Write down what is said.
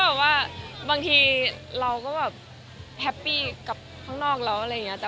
แบบว่าบางทีเราก็แบบแฮปปี้กับข้างนอกแล้วอะไรอย่างนี้